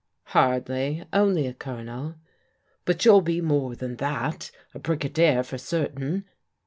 " Hardly. Only a Colonel." "But you'll be more than that — ^a Brigadier for cer tain."